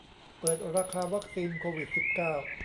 เปิดราคาวัคซีนโควิด สิบเก้า